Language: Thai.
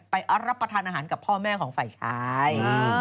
รับประทานอาหารกับพ่อแม่ของฝ่ายชาย